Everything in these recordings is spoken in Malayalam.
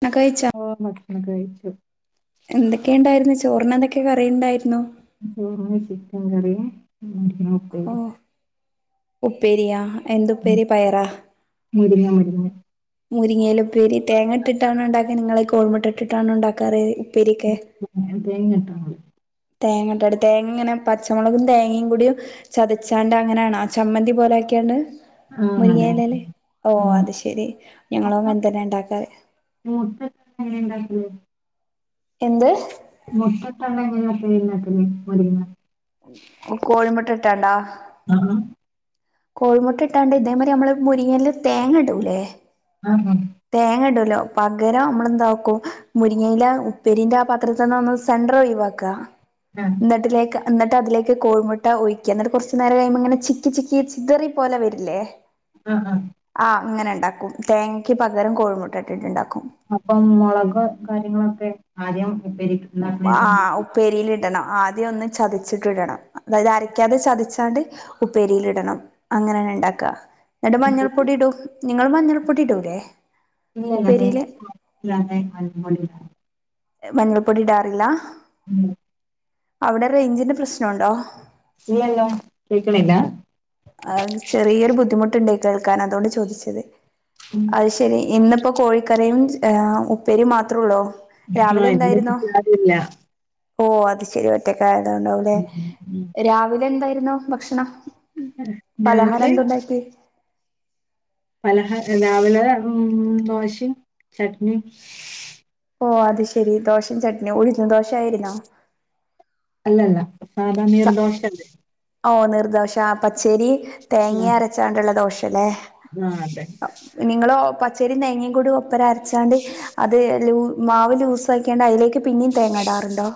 ന്ന കഴിച്ച [unintelligible] കഴിച്ചു ചോറിനെന്തൊക്കെ കറിണ്ടായിര് ചോറിന് ചിക്കൻ [unintelligible] മുരിങ്ങ ഓ ഉപ്പേരിം. ഉപ്പേരിയാ എന്തു ഉപ്പേരി പയറാ മുരിങ്ങ മുരിങ്ങ. മുരിങ്ങയിലപ്പേരി തേങ്ങട്ടിട്ടാണോ ണ്ടാക്കൽ ങ്ങളെ കോഴിമുട്ട ഇട്ടിട്ടാണോ ണ്ടാക്കാറ്? പ്പേരിക്കെ ഉം, തേങ്ങ. [unintelligible] തേങ്ങട്ടാണ്ട് തേങ്ങ ഇങ്ങനെ പച്ചമുളകും തേങ്ങീമ് കൂടിം ചതച്ചാണ്ട് അങ്ങനെയണോ ആ ചമ്മന്തി പോലെ ആക്കിയാണ്ട്. ആ അതെ മുരിങ്ങേന്റെലിം ഒ ഉം. അത് ശെരി [unintelligible] ഞങ്ങളും അപ്പൊ അങ്ങനെതന്നെണ്ടാക്കാർ. [unintelligible] എന്ത്? [unintelligible] മുരിങ്ങ [unintelligible] കോഴിമുട്ട ഇട്ടാണ്ടാ? ആ കോഴിമുട്ട ഇട്ടാണ്ട് ഇതേ മരി മ്മള് മുരിങ്ങല് തേങ്ങ ഇടൂല്ലേ. ആ തേങ്ങ [unintelligible] പകരം മ്മള് ന്താക്കും മുരിങ്ങയില ഉപ്പേരിന്റെ ആ പാത്രത്തിൽനിന്ന് സെന്റർ ഒഴിവാക്ക. ആ ആ ന്ന്ട്ട്തിലേക്ക് ന്നട്ട് അതിലേക്ക് കോഴിമുട്ട ഒഴിക്ക്യ ന്നട്ട് കൊർച്നേരം കഴിയുമ്പോ ങ്ങനെ ചിക്കി ചിക്കി ചി ദേറി പോലെ വരില്ലേ അ ആ. ആ അങ്ങനെ ണ്ടാക്കും തേങ്ങക്ക് പകരം കോഴിമുട്ട ഇട്ടിട്ടുണ്ടാക്കും. അപ്പം മുളക് കാര്യങ്ങളൊക്കെ ആദ്യം ഉപ്പേരി ഉണ്ടാക്കുന്നതിന് ആ മുമ്പ് ഉപ്പേരിയിൽ ഇടണം. ആദ്യ ഒന്ന് ചതച്ചിട്ട് ഇടണം അതായത് അരക്കാതെ ചതച്ചാണ്ട് ഉപ്പേരിൽ ഇടണം അങ്ങനെ. ണ്ടാക്ക ന്നട്ട് മഞ്ഞൾ പൊടി ഇടും നിങ്ങള് മഞ്ഞൾ പൊടി ഇടൂല്ലേ? [unintelligible] മഞ്ഞപൊടി ഇടാതെ. [unintelligible] മഞ്ഞളൾപ്പൊടിടാറില്ല? ഉം. അവടെ റേഞ്ചിന്റെ പ്രശ്നുണ്ടോ? ഇല്ലല്ലോ കേക്കണില്ല. ആ ചെറിയൊരു ബുദ്ധിമുട്ടുണ്ട് കേൾക്കാൻ അതോണ്ട് ചോദിച്ചത് ഉം. അയ് ശരി ഇന്ന്. പ്പൊ കോഴിക്കറിയും [unintelligible] ഉപ്പേരിയും മാത്രമോള്ളൂ ആ [unintelligible] ആരൂല്ല. ഓ അത് ശെരി ഒറ്റക്ക ആയതോ ണ്ടാവൂലേ ഉം. ഉം. രാവിലെ എന്തായിരുന്നു ഭക്ഷണം? പലഹാര രാവിലെ എന്തുണ്ടാക്കിയ്? പലഹ രാവിലെ ഉം ദോശി ചട്നിം. ഓ അത് ശെരി ദോശി ചട്നിം ഉയ്ന്നു ദോശയിരുന്നോ? അല്ലല്ല സാധാ നീർദോഷ ല്ലേ ഓ നിർദോശ പച്ചരി തേങ്ങ ആ അരച്ചാണ്ടുള്ള ദോശ ആ, അതെ [unintelligible] നിങ്ങള് പച്ചരിം തേങ്ങ കൂടി ഒപ്പര അരച്ചാണ്ട് അത് ലൂ മാവ് ലൂസ ആക്കിയാണ്ട് അയി ലേക്ക് പിന്നിം തേങ്ങടാറുണ്ടോ?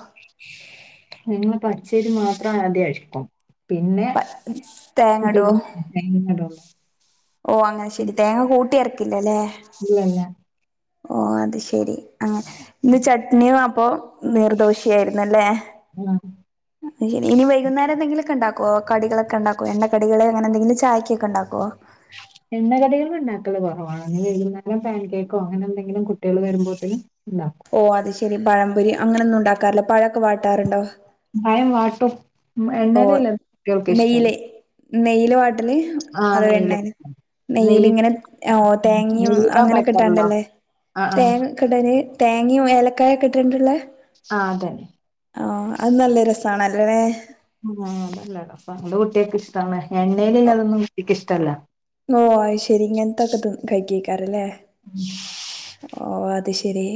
[unintelligible] പച്ചരി മാത്രമാദ്യ അരക്കും. പിന്നെ തേങ്ങ ഇടുവോ [unintelligible] ഓ അങ്ങനെ ശെരി തേങ്ങ കൂട്ടി അരക്കില്ലല്ലേ. ഇല്ലല്ല ഓ അത് ശെരി അങ്ങ ഇന്ന് ചട്നിയും അപ്പൊ നീർദോശിയായിന്നല്ലേ ആ ശരി ഇനി വൈകുന്നേരം എന്തെങ്കിലൊക്കെണ്ടാക്കോ കടികളൊക്കെ ഉണ്ടാക്കുമോ എണ്ണ കടികളെ അങ്ങനെന്തങ്കിലും ചായക്കൊക്കെണ്ടാക്കുവോ എണ്ണകടികൾ ഉണ്ടാക്കള്ള കുറവാണ് വരുന്നരം പാൻ കേക്കോ അങ്ങനെ എന്തെങ്കിലും കുട്ടികൾ വരുമ്പോഴത്തേക്കും ഓ അത് ശെരി പഴംപൊരി അങ്ങനെയൊന്നും ഉണ്ടാക്കാറില്ലോ പഴൊക്കെ വാട്ടാറുണ്ടോ ഭയം വാട്ടോ എണ്ണലല്ല ഒൾക്ക ഇഷ്ടല്ല നെയയില് വാട്ടില് അത് വെണ്ണൽ നെയയില നെയ്യ് ഇങ്ങനെ ഓ തേങ്ങയും നെയ്യിലോ അങ്ങനെ ബട്ടറിലോ കിട്ടാണ്ടല്ലേ ആ ആ തേങ്ങ കിട്ടഞ് തേങ്ങയുംഏലക്കായൊക്കെ ഇട്ടിട്ടണ്ടുള്ളേ ആ അതന്നെ ആ അത് നല്ല രസണ അല്ലേനേ ആ അത് നല്ല രസ അത് കുട്ടികൊക്കെ ഇഷ്ടേ എണ്ണയിൽന്ന അതൊന്നും കുട്ടിക്കക്ക് ഇഷ്ടല്ല ഓ ശെരി ഇങ്ങനത്തൊക്കെ കഴ കഴക്കാറല്ലേ ഓ അത് ശെരി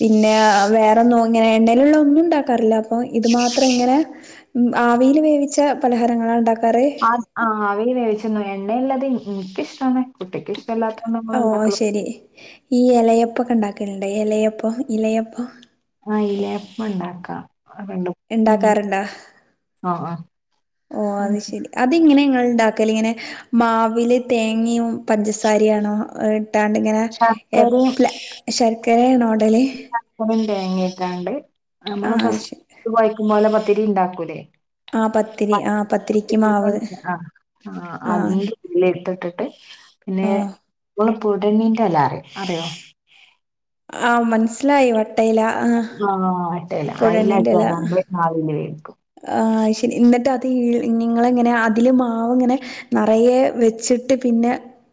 പിന്നെ വേറെന്നും ഇങ്ങനെ എണ്ണേയിലുള്ള ഒന്നും ഉണ്ടാക്കാറില്ല അപ്പൊ ഇത് മാത്രം ഇങ്ങനെ ആവിയിൽ വേവിച്ച പലഹാരങ്ങള ഉണ്ടാക്ക ആ ആ അവയി വേവിച്ചന്നു എണ്ണയില്ലാത് എനിക്കിഷ്ടന്ന ഓ ശരി ഈ ഇലയപ്പൊക്കെണ്ടാക്കുന്നുണ്ട് ഇലയപ്പ ഇലയപ്പ ആല്ലേപ്പ്മ ഉണ്ടാക്കാം രണ്ടും ഉം ഉണ്ടാക്കാറുണ്ടാ ആഹ് ആഹ് ഓ അത് ശരി അതിങ്ങനെങ്ങ ഉണ്ട ഇങ്ങനെ മാവില തേങ്ങയും പഞ്ചസാരിയാണോ കിട്ടാണ്ട് ഇങ്ങനെ ശർക്കരയും എപ്ല ശർക്കരണോടല് തേങ്ങിട്ടാണ്ട് നമ്മള് ശരി ഫസ്റ്റ് വഴക്കുമ പോലെ പത്തിരി ഉണ്ടാക്കൂലേ ആഹ് പത്തിരി ആ ആഹ് പത്തിരിക്ക് മാവ് ആ അ ആഹ് അത് എടുത്തിട്ട പിന്നെ ആഹ് നമ്മള പൂടണ്ണീന്റെ അല്ല അറിയ അറിയോ ആ മനസ്സിലായി വട്ടയില ആ ആഹ് മറ്റേ എല പുഴ അയില എണ്ണേറല ഇട്ട്കാണ്ട് ആവിയില് വേവിക്കും ആഹ് ശരി എന്നിട്ട് ങ്ങനെ അ മാവങ്ങനെ നിറയെ വെച്ചിട്ട് പിന്നെ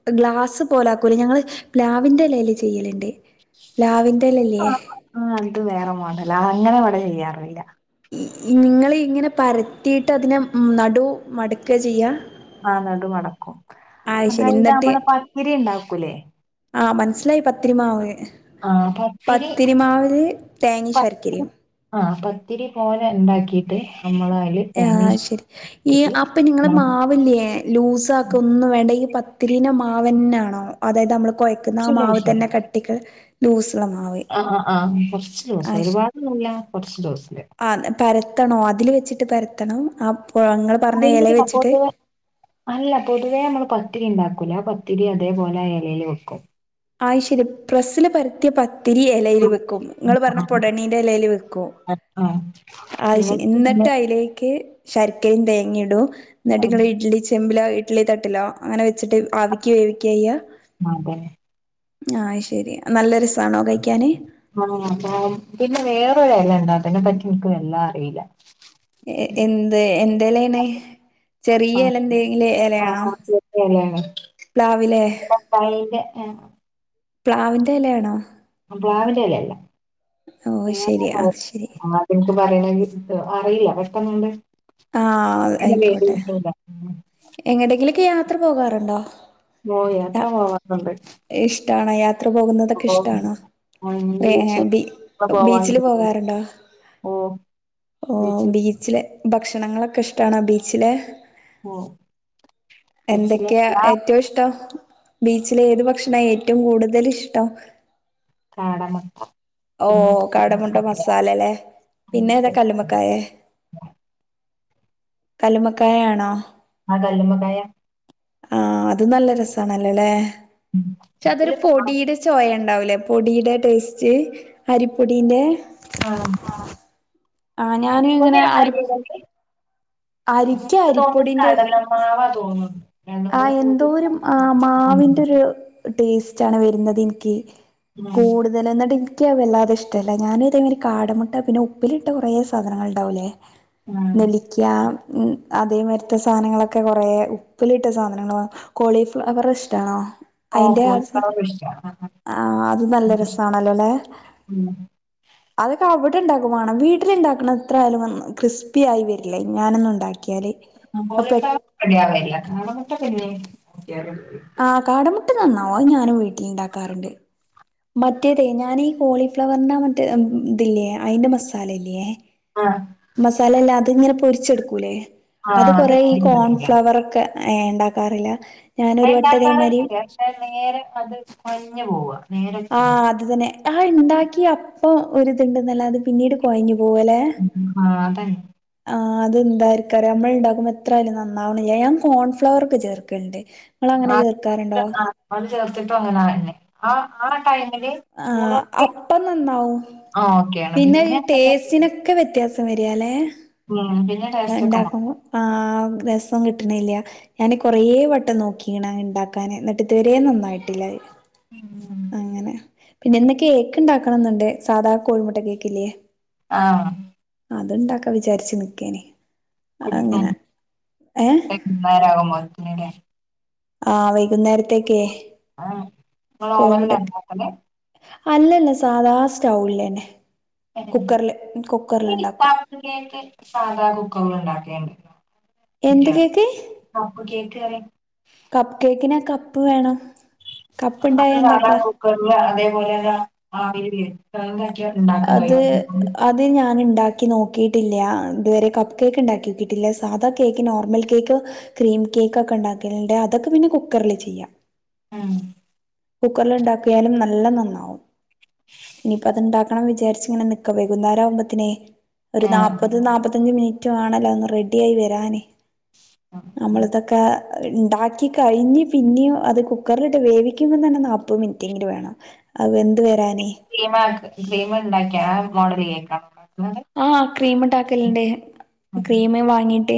ഗ് ഗ്ലാസുംപോലാകും ഞങ്ങൾ പ്ലാവിന്റെ ഇലെല് ചെയ്യല്ണ്ട് പ്ലാവി ആ ആ അത് വേറെ മോണ്ടല്ല അ അങ്ങനെ ഇവിടെ ചെയ്യാറില്ല നിങ്ങൾ ഇങ്ങനെ പരത്തിയിട്ട് അതിനെ നടു മടക്കുക ചെയ്യുക ആ നടുമടക്കും ശരി അതായത് എന്നിട്ട് നമ്മള് പക്കരി ഉണ്ടാക്കൂലേ ആഹ് മനസ്സിലായി പത്തിരിമാവ് ആ പത്തിരി പത്തിരിമാവല് തേങ്ങ ശർക്കരയും ഒത്തിരി പോലെ ഉണ്ടാക്കിയിട്ട് നമ്മള് അതില് തേങ്ങ ആശരി ഈ ഇട്ടിട്ട് അപ്പൊ നിങ്ങള് മാവില്ലയേ ലൂസ ആക്കെ കുറച്ച് ഒന്നും വേണ്ട പത്തി വിന് മാവ് തന്നെയാണോ അതായതു നമ്മള് കോഴ്ക്കുന്ന മാവ് ദിവസം തന്നെ കട്ടിക്ക് ലൂസു ആ ആ കുറച്ച് ദിവസം ഒരുപാട് നല്ല കുറച്ച് ദിവസം ആ പരത്തണോ അതില് വെച്ചിട്ട് പരത്തണം ആ ഇങ്ങള് പറഞ്ഞ എല അ വെച്ചിട്ട് പട്ടവ അല്ല പൊതുവേ നമ്മള് ഒത്തിരി ഉണ്ടാക്കൂല പത്തിരി അതേപോലെ അയലൽ വെക്കും ആ ശരി പ്രസ്സില് പരത്തിയ പ ഒത്തിരി ഇലൽ വെക്കും നിങ്ങൾ പറഞ്ഞ ആ പൊടണീന്റെ ഇലയില് വെക്കും ആ ആ ആത്ശരി നിങ്ങൾക്ക് പിന്നെ എന്നിട്ട് അതിലേക്ക് ശരക്കയും തേങ്ങ ഇടും എന്നിട്ട് ആ ഇങ്ങെ ഇഡ്ലി ചെമ്പില ഇഡ്ലി തട്ടിലോ അങ്ങനെ വെച്ചിട്ട് ആവിക്കുക വേവിക്കുകയ്യുക അതെ ആ ശെരി നല്ലൊരു ആ പിന്നെ വേറൊരു ഇല ഉണ്ട അതിനെ പറ്റി എനക്ക് വല്ലാം അറിയില്ല എന്ത് എന്തേലാണ് അ ആ ശെരിയാലെ പ്ലാവിലെ [inaudible] പ്ലാവിന്റെലേണോ? പ്ലാവിന്റെലെല്ല ഓ ശരി അത് ശരി [unintelligible] പറിയ്ണതിഷ്ട്ടം അറീല്ല പെട്ടൊന്ന്ങ്ങണ്ട് [unintelligible] എങ്ങണ്ടെങ്കിലൊക്കെ യാത്ര പോകാറുണ്ടോ? ഓ യാത്ര പോവാറുണ്ട് ഇഷ്ടണോ യാത്ര പോകുന്നതൊക്കെ അപ്പൊ ഇഷ്ടണോ? ഏ ബി ശരിക്കും പോവാൻ ബീച്ചില് കിട്ടും പോകാറ്ണ്ടോ? ഓ ഓ ബീച്ചിൽ ബീച്ച്ലെ ഭക്ഷണങ്ങളൊക്കെ ഇഷ്ടാണാ ബീച്ലെ ഒ എന്തൊക്ക്യ ഏറ്റവുഷ്ടം? ബീച്ലെ ഏത് ഭക്ഷണാ ഏറ്റവും കൂടുതൽ ഇഷ്ടം? കാടമക്ക ഓ കാടമുട്ട മസാല ലെ. ഉം. പിന്നെ ഏതാ കല്ലുമ്മക്കായെ? [inaudible] കല്ലുമക്കായ ആണോ? ആ കല്ലുമ്മക്കായ ആ അത് നല്ല രസാണല്ലലെ ഉം. ക്ഷെ അതൊരു ഉപ്പിലിട്ട് ആ, പൊടീടെ ചൊയ ണ്ടാവുലേ പൊടീടെ ടേസ്റ്റ് അരിപ്പൊടീന്റെ ആ ആ ഞാന് ങ്ങനെ അടിപൊളിയാണ് അരി അരിയല്ലെങ്കിൽ അരിക്ക് എനിക്ക് തോന്നുന്നു അരിപ്പൊടിന്റെ കടലമാവാ തോന്നുന്നു രണ്ടും ആ കൂടി എന്തോരു കൂടിയിട്ടാണ് ആ മാവ്ന്റൊരു ടേസ്റ്റാണ് വരുന്നത് ൻക്ക് ഉം, കൂടുതലാ ന്ന്ട്ടിൻ ക്ക് അയ് വല്ലതെ ഇഷ്ടല്ല ഞാൻ ഇതെങ്ങ കാടമുട്ട പിന്നെ ഉപ്പിലിട്ട കുറെ സാധനങ്ങൾ ണ്ടാവൂലെ ഉം. നെല്ലിക്ക മ് അതേമാര്ത്തെ സാനങ്ങളൊക്കെ കൊറെ ഉപ് പ്പിലിട്ട സാധനങ്ങള് വാ കോളിഫ്ലവറിഷ്ഠാണോ ഓ അയ്ന്റെ അ സ കോളിഫ്ലവർ ഇഷ്ടമാണ് ആ അതും നല്ല രസാണല്ലോലെ മ് അതൊക്കവ്ട് ണ്ടാക്കുവാണം വീട്ടില്ണ്ടാക്ക്ണത്രയാലും നന്ന് ക്രിസ്പ്യായി വരില്ല ഞാനൊന്നുണ്ടാക്ക്യാൽ ആ [unintelligible] കാടമുട്ട നന്നാവും അയ് ഞാനും വീട്ട്ല്ണ്ടാക്കാറ്ണ്ട് മറ്റേതെ ഞാനീ കോളിഫ്ലവറിന്റാ മറ്റേതില്ലേ അയ്ന്റെ മസാല ഇല്ലെ ആ മസാലല്ലതിങ്ങനെ പൊരാച്ചെട്ക്കൂലെ ആ അത് കൊറെ ഈ റെഡിയും കിട്ടില്ല കോൺഫ്ലവർ ക്കെ ഏ ണ്ടാക്കാറില്ല അത്ണ്ടാക്കറ്ണ്ട് പക്ഷെ നേരെ അൽഞ്ഞ് പോവ ആ ആത്ന്നെ അയ് ണ്ടാക്ക്യ അപ്പൊ ഒരിത്ണ്ട്ന്നല്ലാതെ പിന്നീട് കോയ്ഞ്ഞ് പൊ ആ അതെ ആ അതെന്താര്കാരം നമ്മള്ണ്ടാക്കുമ്പോ എത്രയാലും നന്നാവ്ണില്ല ഞാൻ കോൺ ഫ്ലവറൊക്കെ ചേർക്കല്ണ്ട് ആ അത് ചേർത്തിട്ടും അങ്ങനയന്നെ അ ആ ടൈ ആ അപ്പ നന്നാവും ആ ഓക്കെയാണ് പിന്നെ ഈ ടേസ്റ്റിനൊക്കെ വ്യത്യാസം സം വരാലെ മ് ഇണ്ടാക്ക്പോ ആ രസം കിട്ട്ണില്ല ഞാാന് കൊറേ വട്ടം നോക്കീണ് അ ണ്ടാക്കാന് എന്നിട്ട്ത്വരെ നന്നായ്ട്ടില്ല അ ഉം പിന്നെ ന്ന് കേക്ക് ണ്ടാക്കണംന്ന്ണ്ട് സാധാ കോയ്മുട്ട കേക്കില്ലേ ആ അതുണ്ടാക്കാ വിചാരിച്ച് നിക്കയാണെ ഏ ആകുംപോട [unintelligible] ആ വൈകുന്നേരത്തേക്കെ ആ നിങ്ങളോവനിലാ [unintelligible] അല്ലല്ല സാദാ സ്റ്റൗവിലന്നെ സാധാ കുക്കറിൽ ഉണ്ടാക്കിയാൽ മതി എന്ത് കേക്കേ കപ്പ് കേക്ക് പറിം കപ്പ് കേക്കിനെ കപ്പു വേണം കപ്പ് അത് ഇണ്ടായ സാദാ ഇണ്ടാക്കാ കുക്കറില് അതേപോലെന്ന ആവി കേറ്റി അത് അതി ഞാനുണ്ട് ഉണ്ടാക്കി നോക്കിയിട്ടില്യ ഇതുവരെ കപ്പ് കേക്ക് ഉണ്ടാക്കിട്ടിട്ടില്ല നോക്കിയിട്ടില്ല സാധാ കേക്ക് നോർമൽ കേക്ക് ക്രീം കേക്കൊക്കെ ഉണ്ടാക്കനുണ്ട് അതൊക്കെ പിന്നെ കുക്കറിലു ചെയ്യാം ആ കുക്കറിലുണ്ടാക്കിയാലും നല്ല നന്നാവും ഇനിപ്പ അതുണ്ടാക്ക് ക്കണം വിചാരിച്ചിങ്ങനെ നിക്കവേ [unintelligible] ആവുമ്പെ ഒരു ആഹ് നാപ്പതു നാപ്പത്തഞ്ച് പത്തഞ്ച് [unintelligible] മിനിറ്റു വേണല്ലോ ഒന്ന് റെഡി ആയി വരാനേ നമ്മളിതൊക്കെ ഉണ്ടാക്കി കഴിഞ്ഞെ പിന്നെയും അത് കുക്കറിലിട്ട് വേവിക് കുമ്പം തന്നെ നാപ്പത്‌ മിനിറ്റെങ്കിലും വേണം അതു വെന്തു വരാൻ കീമ ആ കീമ ഉണ്ടാക്കിയ ആ മോഡലു കേക്കാൻ ആ ക്രീമുണ്ടാക്കലുണ്ട് ക്രീമേ വാങ്ങീട്ടേ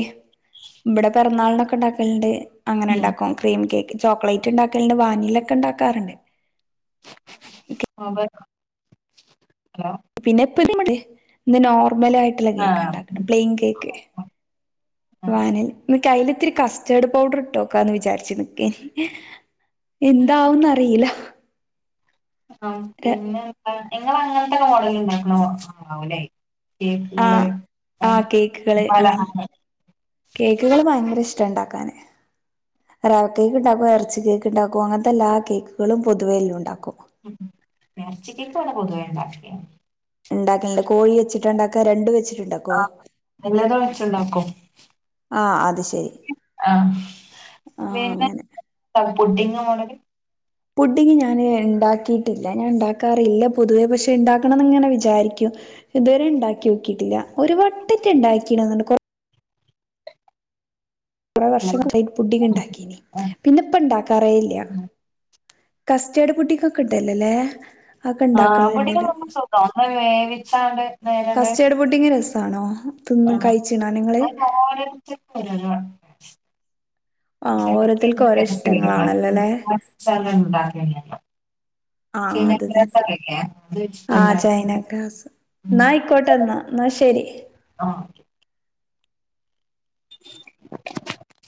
ഇവിടെ പിറന്നാളിനൊക് ഒക്കെ ഉണ്ടാക്കലുണ്ട് അങ്ങനെണ്ടാ ക്കും ക്രീം കേക്ക് ചോക്ലേറ്റ് ഉണ്ടാക്കലുണ്ട് വാനിലൊ ക്കെ ഉണ്ടാക്കാറുണ്ട് ആ [unintelligible] പിന്നെപ്പ ഇതു നോർമൽ നോർമലായിട്ടുള്ള കേക്കാ ആഹ് ഉണ്ടാക്കുന്നെ ക്രീം കേക്ക് വാനില കൈയ്യിലിത്തിരി കസ്റ്റേർഡ് പൗഡർ ഇട്ടോക്കാന്ന് വിചാരിച്ചു നിക്കനിം എന്താവോന്നറിയില്ല ആ പിന്നെന്താ നിങ്ങളങ്ങനത്തെ മോഡൽ ഉണ്ടാക്കണ ആളാവും ആല്ലേ ആ കേക്കിങ്ങളെ ആ എന്താണ് ആ പലഹാരം കേക്കുകള് ഭയങ്കര ഇഷ്ടാ ഉണ്ടാക്കാനെ റവ കേക്ക് ഉണ്ടാക്കും ഇറച്ചി കേക്ക് ഉണ്ടാക്കും അങ്ങനത്തെ എല്ലാ കേക്കുകളും പൊതുവെ എല്ലം ഉണ്ടാക്കും ഉ നേർച്ചിക്കൊക്കെ ഇവിടെ പൊതുവേഇണ്ടാക്കണതാണ് ഉണ്ടാക്കുന്നുണ്ട് കോഴി വെച്ചിട്ടാ ണ്ടാക്കാ രണ്ടുവെച്ചിട്ട് ആ നിങ്ങടെ വേച്ചുണ്ടാക്കും ആഅത് ശരി ആ പിന്നെ അങ്ങനെ പുഡിങ്. മോഡലെ പുഡിങ് ഞാനേ ഉണ്ടാക്കിയിട്ടില്ല, ഞാൻ ഉണ്ടാക്കാറില്ല പൊതുവേ പക്ഷെ ഉണ്ടാക്കണംന്നിങ്ങനെ വിചാരിക്കും ഇതുവരെ ഉണ്ടാക്കി നോക്കിട്ടില്ല ഒരു വട്ടറ്റെ ഉണ്ടാക്കി എന്ന് തോന്നുന്നു കുറെ ഹലോ വർഷങ്ങളായി പുഡിങ് ഉണ്ടാക്കീ പിന്ന ഇപ്പ ഇണ്ടാക്കാറേ ഇല്യ കസ്റ്റേഡ് പുട്ടിക്കൊക്കെ ഇട്ടല്ലല്ലേ അകൊണ്ട് ആ ഇണ്ടാക്കലെ പുഡിങ് നമ്മളെ നമുക്ക് സുഖം ഒന്ന് വേവിച്ചാണ്ട് കസ്റ്റേഡ് പുഡ്ഡിംങ്ങു രസാണോ തിന്ന് ആഹ് കഴിച്ചിണോ നിങ്ങള് ഓരോരുത്തർക്കും ഓരോന്നാണ് ആഹ് ഓരോരുത്തർക്കും ഓരോ ഇഷ്ടങ്ങളാണല്ലോല്ലേ രസണ്ടാവൽ ആ അതു തന്നെ അത് ആ വെച്ചിട്ടുണ്ടാക്കും ചൈനക്കാ സെ എന്നാ ആയിക്കോട്ടെന്നാ ശരി ആ ടിക്കടിക്